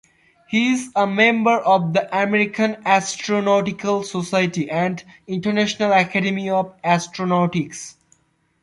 He is a member of the American Astronautical Society and International Academy of Astronautics.